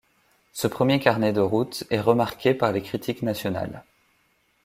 Ce premier carnet de route est remarqué par les critiques nationales.